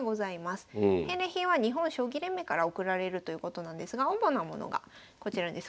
返礼品は日本将棋連盟からおくられるということなんですが主なものがこちらです。